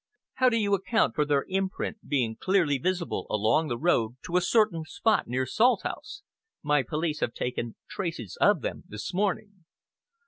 How do you account for their imprint being clearly visible along the road to a certain spot near Salthouse? My police have taken tracings of them this morning."